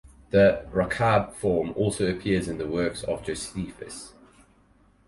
The "Rachab" form also appears in the works of Josephus.